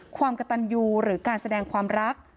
ความกระตันยูหรือการแสดงความรัก